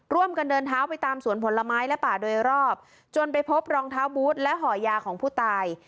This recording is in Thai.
เดินเท้าไปตามสวนผลไม้และป่าโดยรอบจนไปพบรองเท้าบูธและห่อยาของผู้ตาย